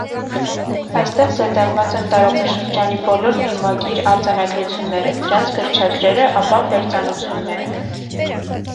Այստեղ զետեղված են տարածաշրջանի բոլոր վիմագիր արձանագրությունները, դրանց գրչագրերը, ապա վերծանությունները։